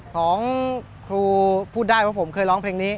ของครูพูดได้ว่าผมเคยร้องเพลงนี้